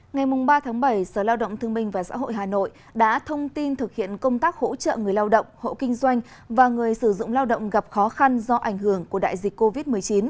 ngày ba bảy sở lao động thương minh và xã hội hà nội đã thông tin thực hiện công tác hỗ trợ người lao động hộ kinh doanh và người sử dụng lao động gặp khó khăn do ảnh hưởng của đại dịch covid một mươi chín